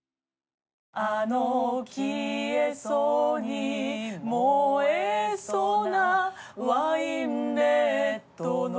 「あの消えそうに燃えそうなワインレッドの」